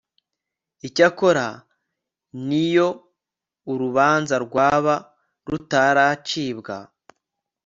icyakora n iyo urubanza rwaba rutaracibwa